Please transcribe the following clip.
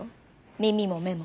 耳も目も。